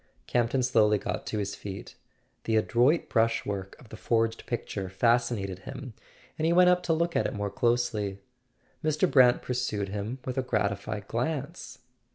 Campton slowly got to his feet. The adroit brush work of the forged picture fascinated him, and he went up to look at it more closely. Mr. Brant pursued him with a gratified glance.